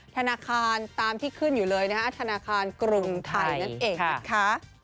ธนาคารตามที่ขึ้นอยู่เลยนะคะธนาคารกรุงไทยนั่นเองนะคะ